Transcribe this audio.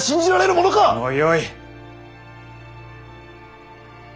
もうよい。